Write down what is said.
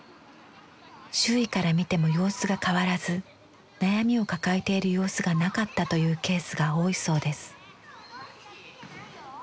周囲から見ても様子が変わらず悩みを抱えている様子がなかったというケースが多いそうです。